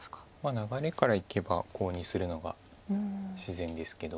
流れからいけばコウにするのが自然ですけど。